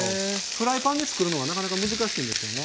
フライパンでつくるのはなかなか難しいんですよね。